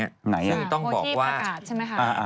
คนที่ประกาศใช่ไหมคะ